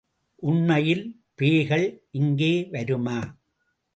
உண்மையில் பேய்கள் இங்கே வருமா?